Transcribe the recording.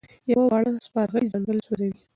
یوه وړه سپرغۍ ځنګل سوځوي.